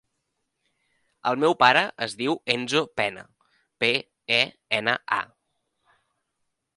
El meu pare es diu Enzo Pena: pe, e, ena, a.